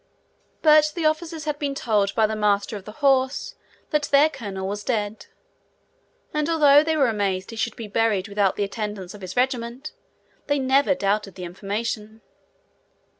But the officers had been told by the master of the horse that their colonel was dead, and although they were amazed he should be buried without the attendance of his regiment, they never doubted the information.